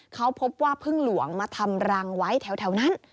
เขาพบว่าพึ่งหลวงมาทำรังไว้แถวนั้น